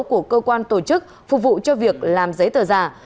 của cơ quan tổ chức phục vụ cho việc làm giấy tờ giả